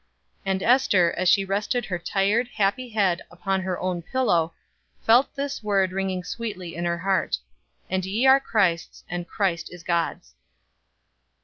And Ester, as she rested her tired, happy head upon her own pillow, felt this word ringing sweetly in her heart: "And ye are Christ's, and Christ is God's."